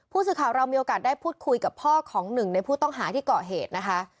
ผู้สื่อข่าวเรามีโอกาสได้พูดคุยกับพ่อของหนึ่งในผู้ต้องหาที่เกาะเหตุนะคะ